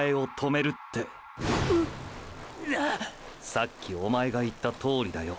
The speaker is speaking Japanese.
さっきおまえが言ったとおりだよ。